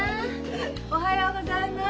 おはようございます。